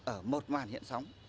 ở một màn hiện sóng